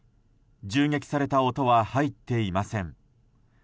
銃撃された音は入っていません。